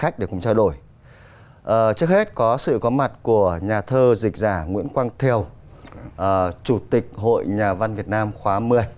trước hết có sự có mặt của nhà thơ dịch giả nguyễn quang thiều chủ tịch hội nhà văn việt nam khóa một mươi